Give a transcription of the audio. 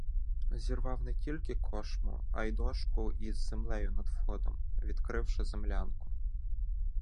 зірвав не тільки кошму, а й дошку із землею над входом, відкривши землянку.